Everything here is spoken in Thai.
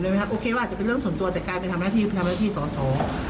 โอเคว่าอาจจะเป็นเรื่องส่วนตัวแต่การไปทำงานเพียงไปทำงานที่ก็สทำ